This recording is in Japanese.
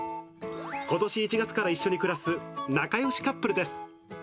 ことし１月から一緒に暮らす仲よしカップルです。